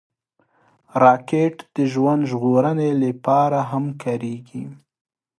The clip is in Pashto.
راکټ د ژوند ژغورنې لپاره هم کارېږي